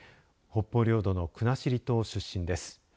北方領土の国後島出身です。